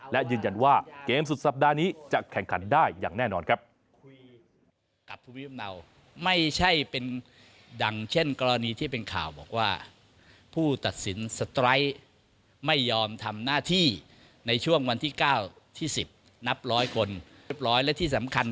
และยืนยันว่าเกมสุดสัปดาห์นี้จะแข่งขันได้อย่างแน่นอนครับ